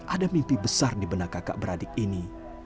ada mimpi besar di benak kakak beradik ini